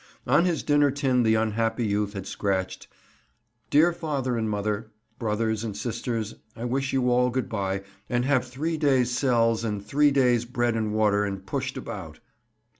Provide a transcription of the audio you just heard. On his dinner tin the unhappy youth had scratched, "Dear father and mother, brothers and sisters I wish you all good bye and have 3 days cells and 3 days bread and water and pushed about.